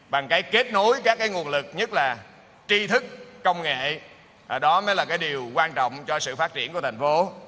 bằng cái kết nối các cái nguồn lực nhất là tri thức công nghệ đó mới là cái điều quan trọng cho sự phát triển của thành phố